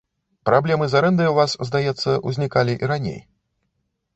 Праблемы з арэндай у вас, здаецца, узнікалі і раней.